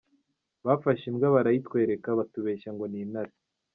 Bafashe imbwa barayitwereka batubeshya ngo ni intare!".